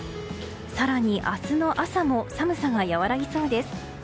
更に、明日の朝も寒さが和らぎそうです。